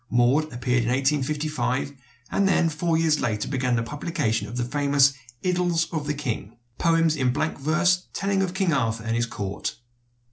"Maud" appeared in 1855, and then four years later began the publication of the famous "Idylls of the King," poems in blank verse telling of King Arthur and his court.